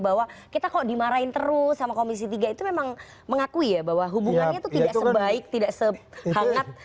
bahwa kita kok dimarahin terus sama komisi tiga itu memang mengakui ya bahwa hubungannya itu tidak sebaik tidak sehangat